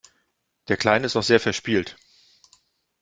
Der Kleine ist noch sehr verspielt.